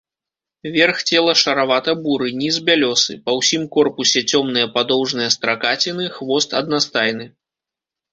Верх цела шаравата-буры, ніз бялёсы, па ўсім корпусе цёмныя падоўжныя стракаціны, хвост аднастайны.